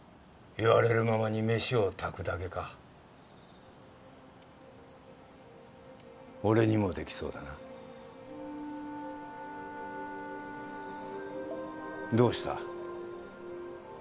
言われるままに飯を炊くだけか俺にもできそうだなどうした？